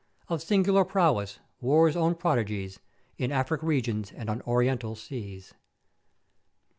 of sing'ular prowess, War's own prodigies, in Africk regions and on Orient seas.